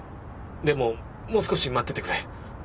でももう少し待っててくれ。